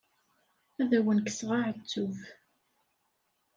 Ad wen-kkseɣ aεettub.